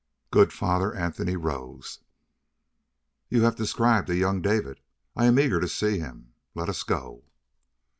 Good Father Anthony rose. "You have described a young David. I am eager to see him. Let us go."